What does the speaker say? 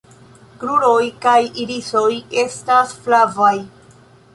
Kruroj kaj irisoj estas flavaj.